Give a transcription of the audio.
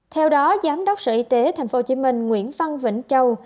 theo đó giám đốc sở y tế tp hcm nguyễn phan vĩnh châu